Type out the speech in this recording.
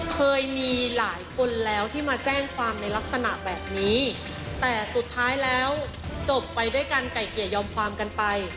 เคยมีหลายคนแล้วที่มาแจ้งความในลักษณะแบบนี้แต่สุดท้ายแล้วจบไปด้วยกันไก่เกลี่ยยอมความกันไป